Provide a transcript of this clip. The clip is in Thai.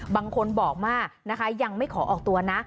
บางคนบอกว่านะคะยังไม่ขอออกตัวนะ